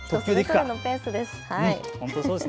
それぞれのペースです。